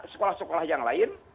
sekolah sekolah yang lain